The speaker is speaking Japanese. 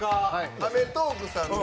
『アメトーーク』さんで